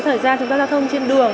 thời gian chúng ta lao thông trên đường